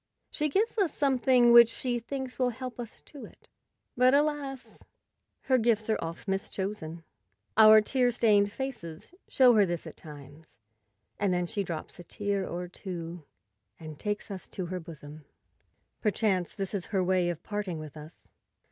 She gives us something which she thinks will help us to it; but, alas! her gifts are oft mischosen. Our tear stained faces show her this at times, and then she drops a tear or two and takes us to her bosom. Perchance this is her way of parting with us.